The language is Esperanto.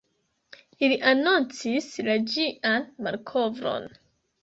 Ili anoncis la ĝian malkovron.